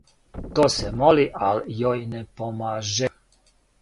То се моли, ал' јој не помаже,